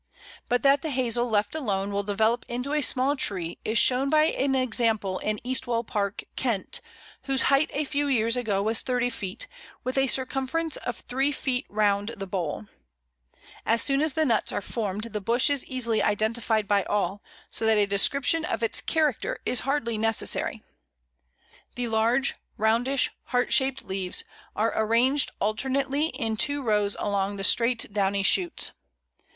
But that the Hazel left alone will develop into a small tree is shown by an example in Eastwell Park, Kent, whose height a few years ago was thirty feet, with a circumference of three feet round the bole. As soon as the nuts are formed the bush is easily identified by all, so that a description of its character is hardly necessary. The large, roundish, heart shaped leaves are arranged alternately in two rows along the straight downy shoots.